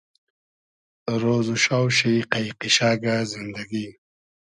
رۉز و شاو شی قݷ قیشئگۂ زیندئگی